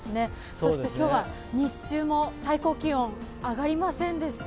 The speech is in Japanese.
そして今日は日中も最高気温上がりませんでした。